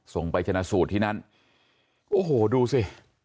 ไปชนะสูตรที่นั่นโอ้โหดูสิ